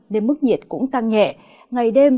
nên mức nhiệt cũng tăng nhẹ